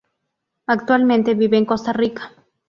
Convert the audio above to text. Actualmente vive en Costa Rica.